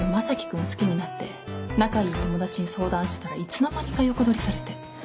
好きになって仲いい友達に相談してたらいつの間にか横取りされて。